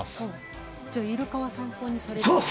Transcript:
じゃあイルカを参考にされて？